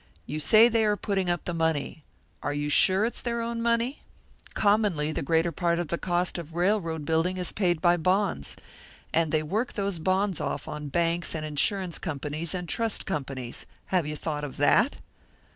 You say they are putting up the money. Are you sure it's their own money? Commonly the greater part of the cost of railroad building is paid by bonds, and they work those bonds off on banks and insurance companies and trust companies. Have you thought of that?"